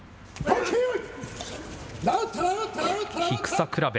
低さ比べ。